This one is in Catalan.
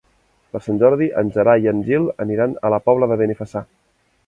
Per Sant Jordi en Gerai i en Gil aniran a la Pobla de Benifassà.